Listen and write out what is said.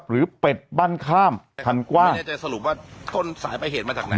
เป็ดบ้านข้ามคันกว้างแน่ใจสรุปว่าต้นสายไปเหตุมาจากไหน